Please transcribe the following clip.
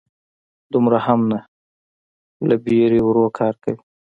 _دومره هم نه، له وېرې ورو کار کوي.